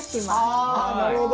あなるほど。